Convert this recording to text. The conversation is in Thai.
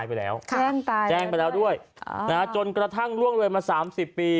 แจ้งตายแจ้งไปแล้วด้วยนะฮะจนกระทั่งล่วงเลยมาสามสิบปี